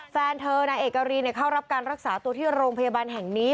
แฟนเธอนายเอกรีนเข้ารับการรักษาตัวที่โรงพยาบาลแห่งนี้